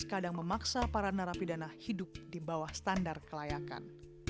kadang memaksa para narapidana hidup di bawah standar kelayakan